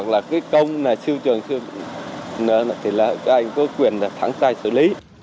cái công siêu trường thì anh có quyền thẳng tay xử lý